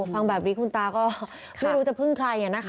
ฟังแบบนี้คุณตาก็ไม่รู้จะพึ่งใครนะคะ